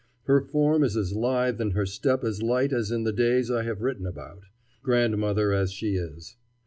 Her form is as lithe and her step as light as in the days I have written about, grandmother as she is.